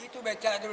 itu beca dulu